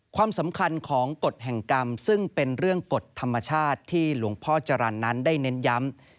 ความสำคัญของกฎแห่งกรรมซึ่งเป็นเรื่องกฎธรรมชาติที่หลวงพ่อจรรย์นั้นได้เน้นย้ำ